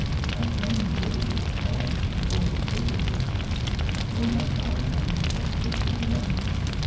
"That dandy divil with the collar? Hould your capers, woman!" "Nor young Ballawhaine Ross Christian, you know?"